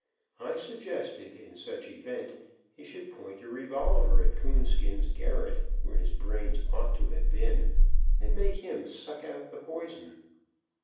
I suggested, in such event, he should point a revolver at Coonskin's garret, where his brains ought to have been, and make him suck out the poison.